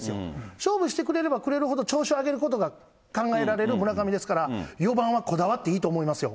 勝負してくれればくれるほど調子上げてくれることが考えられる村上ですから、４番はこだわっていいと思いますよ。